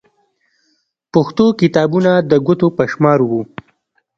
پښتو کتابونه د ګوتو په شمار وو.